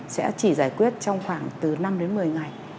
sẽ chỉ giải quyết trong khoảng từ năm đến một mươi ngày